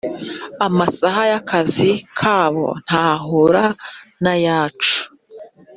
Amasaha y akazi kabo ntahura nayacu